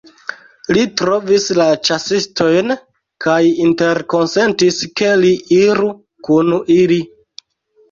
Li trovis la ĉasistojn kaj interkonsentis ke li iru kun ili.